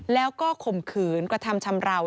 แล้วก็ข่มขืนกระทำชำราว